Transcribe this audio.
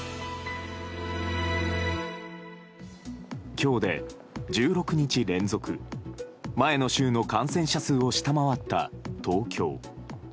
今日で１６日連続前の週の感染者数を下回った東京。